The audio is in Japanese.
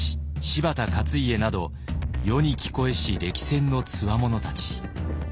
柴田勝家など世に聞こえし歴戦のつわものたち。